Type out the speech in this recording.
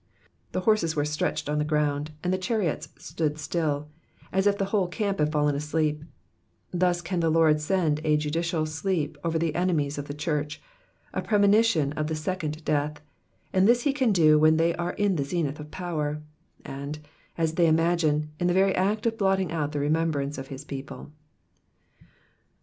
The horses were stretched on the ground, and tho chariots stood still, as if the whole camp had fallen asleep. Thus can the Lord send a judicial sleep over the enemies of the church, a premonition of the second death, and this he can do when they 26 Digitized by VjOOQIC 402 . EXPOSITIONS OF THE PSALMS. are in the eenith of power ; and, as they imiigine, in the very act of blotting out the remembrunce of his people.